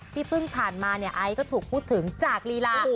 ที่ผ่านมาเนี่ยไอซ์ก็ถูกพูดถึงจากลีลา